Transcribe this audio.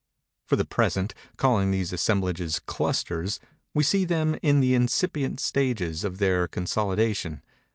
For the present, calling these assemblages "clusters," we see them in the incipient stages of their consolidation.